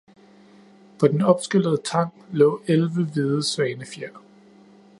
På den opskyllede tang lå elve hvide svanefjer.